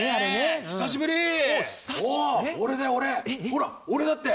ほら俺だって！